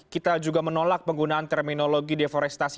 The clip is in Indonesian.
kita juga menolak penggunaan terminologi deforestasi